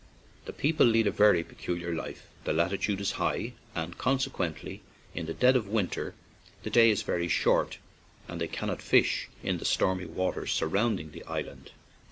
The people lead a very peculiar life. The latitude is high, and conse quently in the dead of winter the day is very short, and they cannot fish in the stormy waters surrounding the island.